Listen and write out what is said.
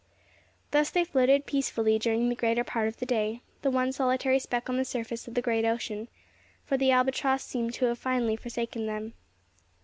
Thus they floated peacefully during the greater part of that day the one solitary speck on the surface of the great ocean, for the albatross seemed to have finally forsaken them.